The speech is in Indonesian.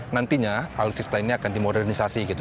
nantinya alur susita ini akan dimodernisasi gitu